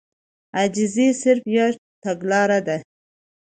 عاجزي صرف يوه تګلاره ده.